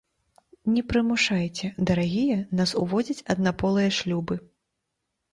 Не прымушайце, дарагія, нас уводзіць аднаполыя шлюбы.